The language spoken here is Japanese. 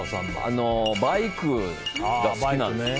バイクが好きなんです。